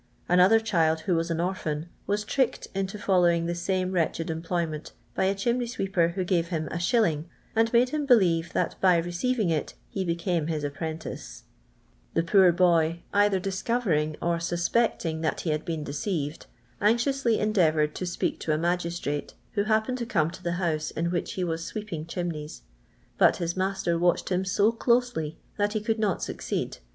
Another child, who was an orphan, was tricked into follow ing the same wretched employment by a chimney sweeper, who gave him a shilling, and made him believe that by receiving it he became his appren tice ; the poor boy, either discovering or Buspectin|r that he had been deceived, anxiously endeavoured to speak to a magistrate who happened to come to the house in which he was sweeping chimneys, but his mastf'r waurhed him so closely that be could not succeed.